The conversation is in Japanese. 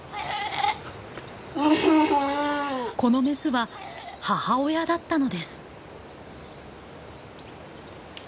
・このメスは母親だったのです。